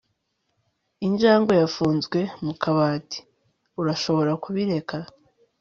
injangwe yafunzwe mu kabati. urashobora kubireka